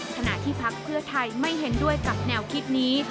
ขณะที่พักเพื่อไทยไม่เห็นด้วยกับแนวคิดนี้